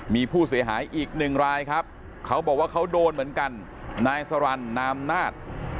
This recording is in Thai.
มีผู้เสียหายอีกหนึ่งรายครับเขาบอกว่าเขาโดนเหมือนกันนายสรรนามนาฏ